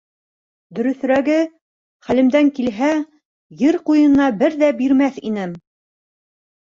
Дөрөҫөрәге... хәлемдән килһә... ер ҡуйынына бер ҙә бирмәҫ инем.